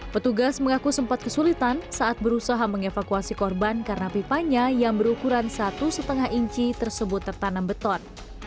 petugas mengaku sempat kesulitan saat berusaha mengevakuasi korban karena pipanya yang berukuran satu lima inci tersebut tertanam beton